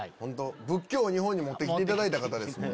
仏教を日本に持って来ていただいた方ですもんね。